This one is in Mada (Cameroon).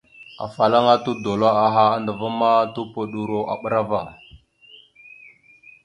Afalaŋa todoláaha andəva ma, topoɗoro a bəra ava.